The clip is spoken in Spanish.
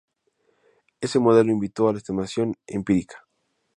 Ese modelo invitó a la estimación empírica.